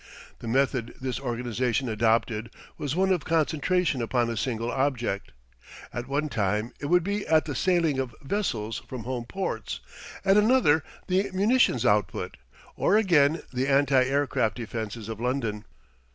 The method this organisation adopted was one of concentration upon a single object. At one time it would be at the sailing of vessels from home ports, at another the munitions output, or again the anti aircraft defences of London.